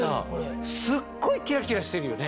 すっごいキラキラしてるよね。